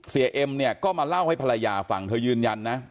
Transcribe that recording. เอ็มเนี่ยก็มาเล่าให้ภรรยาฟังเธอยืนยันนะ